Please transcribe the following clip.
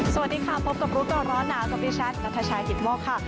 สวัสดีค่ะพบกับลูกต่อร้อนหนาสวัสดีชันนัทชายหิตมกค่ะ